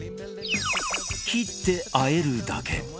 切って和えるだけ！